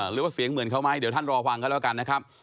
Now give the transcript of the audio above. หรือว่าเสียงเหมือนเขาไหมเดี๋ยวท่านรอฟังกันแล้วกันนะครับ